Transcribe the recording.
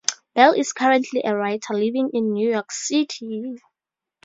Bell is currently a writer, living in New York City.